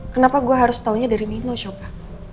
kenapa gue harus taunya dari nino coba